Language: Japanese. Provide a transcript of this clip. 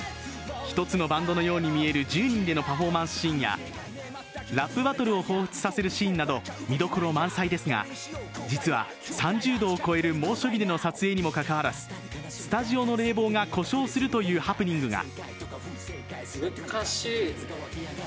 １つのバンドのように見える１０人でのパフォーマンスシーンやラップバトルを彷彿させるシーンなど、見どころ満載ですが実は、３０度を超える猛暑日での撮影にもかかわらずスタジオの冷房が故障するというハプニングが。